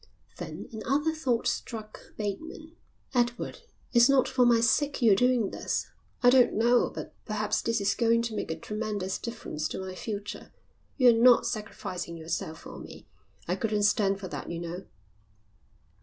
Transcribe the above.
Then another thought struck Bateman. "Edward, it's not for my sake you're doing this? I don't know, but perhaps this is going to make a tremendous difference to my future. You're not sacrificing yourself for me? I couldn't stand for that, you know."